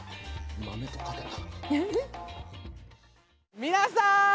豆と掛けた。